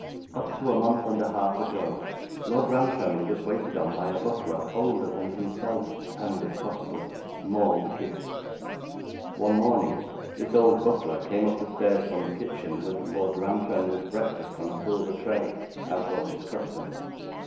Up to a month and a half ago Lord Rantremly was waited on by a butler older than himself, and if possible, more wicked. One morning this old butler came up the stairs from the kitchen, with Lord Rantremly's breakfast on a silver tray, as was his custom.